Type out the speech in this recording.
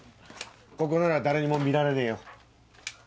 ここなら誰にも見られねえよ。